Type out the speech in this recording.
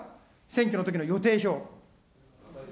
選挙のときの予定表。